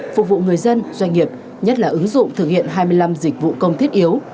phục vụ người dân doanh nghiệp nhất là ứng dụng thực hiện hai mươi năm dịch vụ công thiết yếu